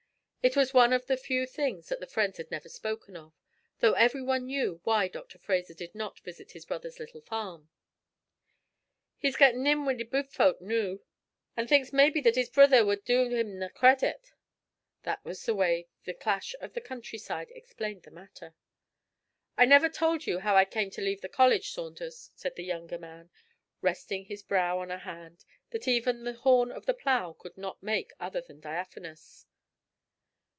It was one of the few things that the friends had never spoken of, though every one knew why Dr. Fraser did not visit his brother's little farm. 'He's gettin' in wi' the big fowk noo, an' thinks maybe that his brither wad do him nae credit.' That was the way the clash of the country side explained the matter. 'I never told you how I came to leave the college, Saunders,' said the younger man, resting his brow on a hand that even the horn of the plough could not make other than diaphanous.